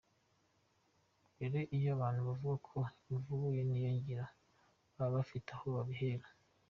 Rero iyo abantu bavuga ngo imvugo ye niyo ngiro baba bafite aho babihera.